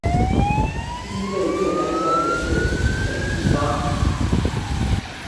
第一位越南小姐是裴碧芳。